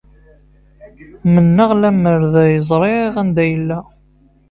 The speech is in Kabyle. Mennaɣ lemmer d ay ẓriɣ anda yella!